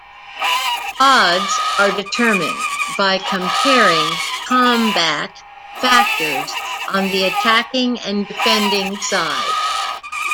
Odds are determined by comparing combat factors on the attacking and defending side.